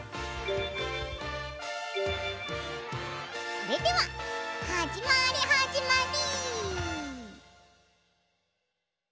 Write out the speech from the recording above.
それでははじまりはじまり。